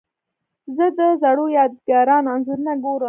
زه د زړو یادګارونو انځورونه ګورم.